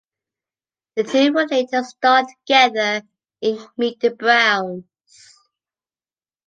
The two would later star together in "Meet the Browns".